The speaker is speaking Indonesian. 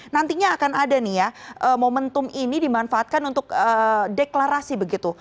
nantinya akan ada nih ya momentum ini dimanfaatkan untuk deklarasi begitu